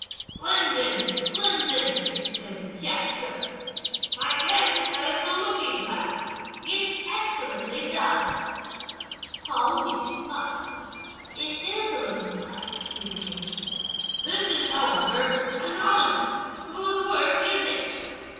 "Splendid! splendid!" exclaimed Chia Cheng, "my guess is that it's a looking glass. It's excellently done!" Pao yü smiled. "It is a looking glass!" he rejoined. "This is, however, anonymous; whose work is it?"